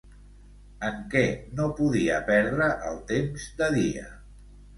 En què no podia perdre el temps de dia?